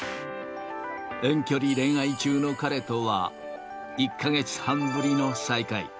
遠距離恋愛中の彼とは、１か月半ぶりの再会。